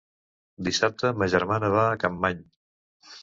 Dissabte ma germana va a Capmany.